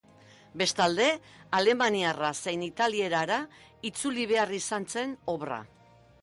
Bestalde, alemaniarra zein italierara itzuli behar izan zen obra.